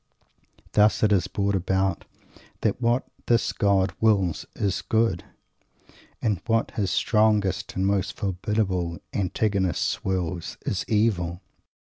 Thus it is brought about that what this God wills is "Good," and what his strongest and most formidable antagonist wills is "Evil."